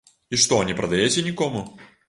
І што не прадаеце нікому?